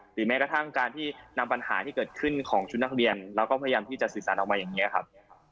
แม้กระทั่งการที่นำปัญหาที่เกิดขึ้นของชุดนักเรียนแล้วก็พยายามที่จะสื่อสารออกมาอย่างนี้ครับ